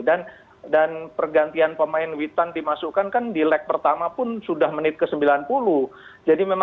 dan pergantian pemain witan dimasukkan kan di leg pertama pun sudah menit ke sembilan puluh